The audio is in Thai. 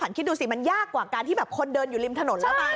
คิดดูสิมันยากกว่าการที่แบบคนเดินอยู่ริมถนนแล้วป่ะ